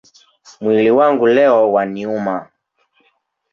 Mwili wangu leo waniuma